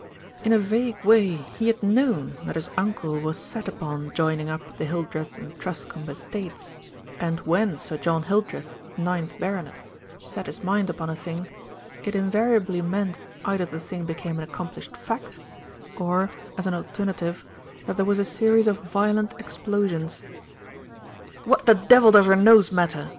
In a vague way he had known that his uncle was set upon joining up the Hildreth and Truscombe es tates, and when Sir John Hildreth, ninth baronet, set his mind upon a thing, it invariably meant either the thing became an accomplished fact, or as an alternative, that there was a series of violent explosions. "What the devil does her nose matter?"